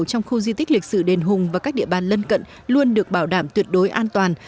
trong khu di tích lịch sử đền hùng và các địa bàn lân cận luôn được bảo đảm tuyệt đối an toàn